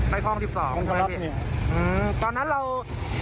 ไปพร้อง๑๒ใช่ไหมพี่อ๋อตอนนั้นเรา